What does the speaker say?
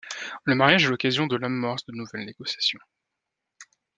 Le mariage est l'occasion de l'amorce de nouvelles négociations.